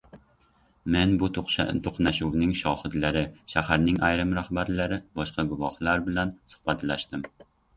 Men bu to‘qnashuvning shohidlari — shaharning ayrim rahbarlari, boshqa guvohlar bilan suhbatlashdim.